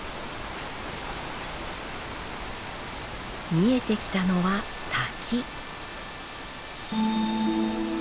見えてきたのは滝。